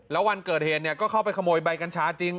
แล้ววันเกิดเหตุก็เข้าไปขโมยใบกัญชาจริง